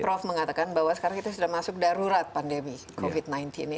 nah ini prof mengatakan bahwa sekarang kita sudah masuk di rumah sakit ini ya